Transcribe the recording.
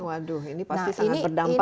waduh ini pasti sangat berdampak